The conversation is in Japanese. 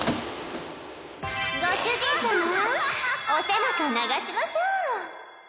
ご主人様お背中流しましょう。